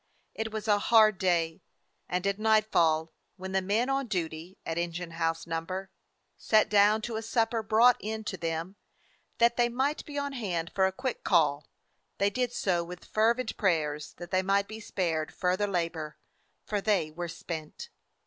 It was a hard day, and at nightfall, when the men on duty at Engine House No. — sat down to a supper brought in to them, that they might be on hand for a quick call, they did so with fervent prayers that they might be spared fur ther labor, for they were spent.